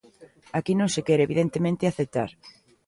Aquí non se quere, evidentemente, aceptar.